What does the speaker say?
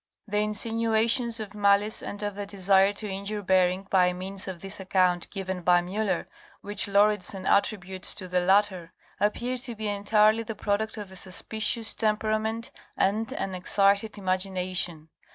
The insinuations of malice and of a desire to injure Bering by means of this account given by Miller, which Lauridsen attributes to the latter, appear to be entirely the product of a suspicious temperament and an excited imagination.